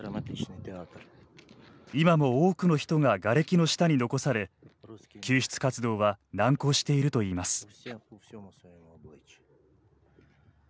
今も多くの人ががれきの下に残され救出活動は難航しているといいます。